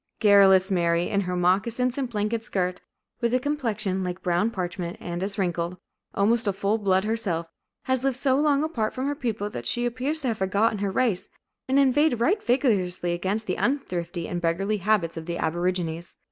Garrulous Mary, in her moccasins and blanket skirt, with a complexion like brown parchment and as wrinkled, almost a full blood herself, has lived so long apart from her people that she appears to have forgotten her race, and inveighed right vigorously against the unthrifty and beggarly habits of the aborigines.